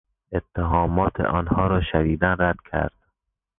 اتهامات آنها را شدیدا رد کرد.